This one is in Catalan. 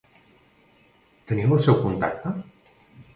Teniu el seu contacte?